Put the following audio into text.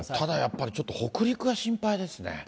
ただやっぱり、ちょっと北陸が心配ですね。